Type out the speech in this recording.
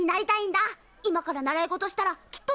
今から習い事したらきっとなれるよね？